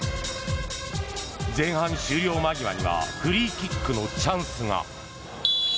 前半終了間際にはフリーキックのチャンスが。